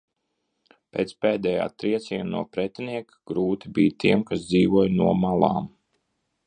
"Pēc pēdējā trieciena no pretinieka, grūti bija tiem, kas dzīvoja no "malām"."